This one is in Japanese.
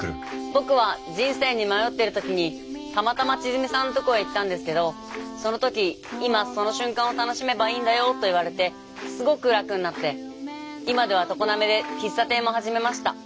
僕は人生に迷ってる時にたまたま千純さんのとこへ行ったんですけどその時「今その瞬間を楽しめばいいんだよ」と言われてすごく楽になって今では常滑で喫茶店も始めました。